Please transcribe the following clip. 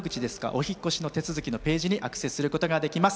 お引っ越しのページにアクセスすることができます。